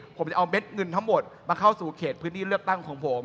ผมจะเอาเม็ดเงินทั้งหมดมาเข้าสู่เขตพื้นที่เลือกตั้งของผม